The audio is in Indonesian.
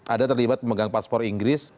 ada terlibat pemegang paspor inggris